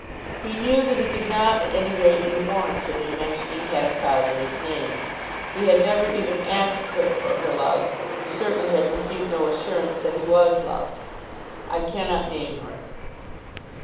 He knew that he could not at any rate be warranted in mentioning Hetta Carbury's name. He had never even asked her for her love, and certainly had received no assurance that he was loved. "I can not name her."